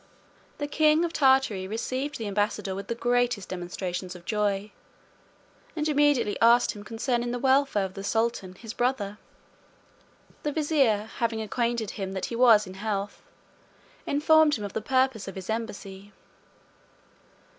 The king of Tartary received the ambassador with the greatest demonstrations of joy; and immediately asked him concerning the welfare of the sultan his brother. The vizier having acquainted him that he was in health, informed him of the purpose of his embassy.